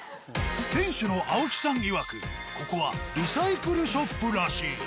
店主の青木さんいわくここはリサイクルショップらしい。